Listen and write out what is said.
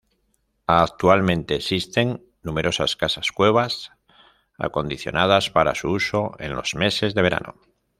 Actualmente existen numerosas casas-cuevas acondicionadas para su uso en los meses de verano.